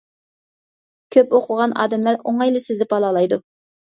كۆپ ئوقۇغان ئادەملەر ئوڭايلا سېزىپ ئالالايدۇ.